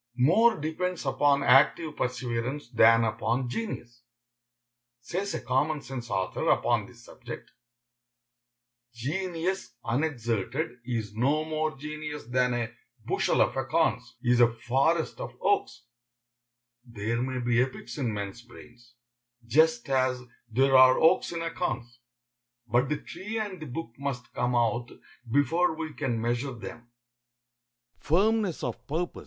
More depends upon active perseverance than upon genius. Says a common sense author upon this subject: "Genius unexerted is no more genius than a bushel of acorns is a forest of oaks." There may be epics in men's brains, just as there are oaks in acorns, but the tree and the book must come out before we can measure them.